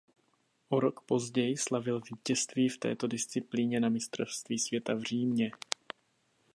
O rok později slavil vítězství v této disciplíně na mistrovství světa v Římě.